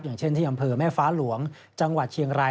อย่างเช่นที่อำเภอแม่ฟ้าหลวงจังหวัดเชียงราย